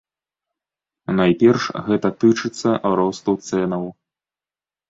Найперш гэта тычыцца росту цэнаў.